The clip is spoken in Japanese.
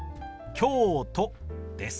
「京都」です。